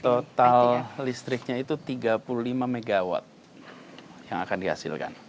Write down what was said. total listriknya itu tiga puluh lima mw yang akan dihasilkan